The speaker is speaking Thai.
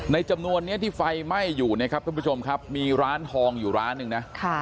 จำนวนนี้ที่ไฟไหม้อยู่นะครับทุกผู้ชมครับมีร้านทองอยู่ร้านหนึ่งนะ